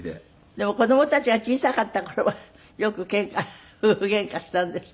でも子供たちが小さかった頃はよくケンカ夫婦ゲンカしたんですって？